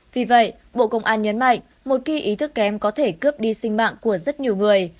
vì vậy bộ công an nhấn mạnh một khi ý thức kém có thể cướp đi sinh mạng của rất nhiều người